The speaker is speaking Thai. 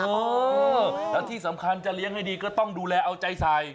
เออแล้วที่สำคัญจะเลี้ยงให้ดีก็ต้องดูแลเอาใจใส่